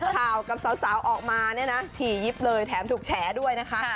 ข่าวกับสาวออกมาเนี่ยนะถี่ยิบเลยแถมถูกแฉด้วยนะคะ